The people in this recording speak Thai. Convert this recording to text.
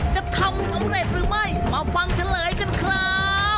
จะทำสำเร็จหรือไม่มาฟังเฉลยกันครับ